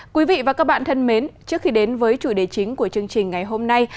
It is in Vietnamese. quý vị và các bạn thân mến trước khi đến với chủ đề chính của chương trình ngày hôm nay